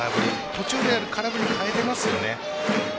途中で空振りに変えれますよね。